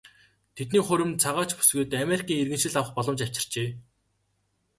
Тэдний хурим цагаач бүсгүйд Америкийн иргэншил авах боломж авчирчээ.